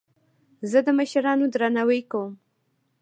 زه د مشرانو درناوی کوم.